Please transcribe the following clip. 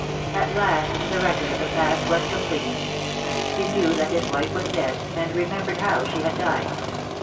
At last the record of the past was complete. He knew that his wife was dead, and remembered how she had died.